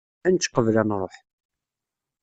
Ad nečč qbel ad nruḥ.